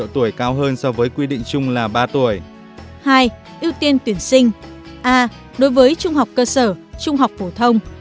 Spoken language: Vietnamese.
trung học cơ sở trung học phổ thông